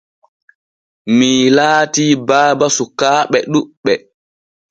Mii laati baba sukaaɓe ɗuɓɓe.